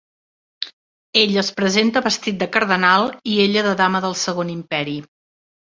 Ell es presenta vestit de cardenal i ella de dama del Segon Imperi.